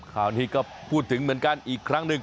ข่าวนี้ก็พูดถึงเหมือนกันอีกครั้งหนึ่ง